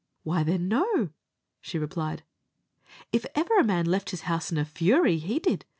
"Why, then, no," she replied; "and if ever a man left his house in a fury, he did.